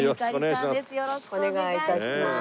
よろしくお願いします。